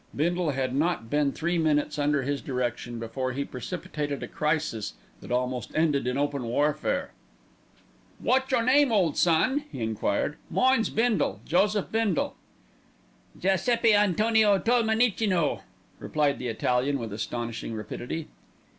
Bindle had not been three minutes under his direction before he precipitated a crisis that almost ended in open warfare. "Wot's your name, ole son?" he enquired. "Mine's Bindle Joseph Bindle." "Giuseppi Antonio Tolmenicino," replied the Italian with astonishing rapidity.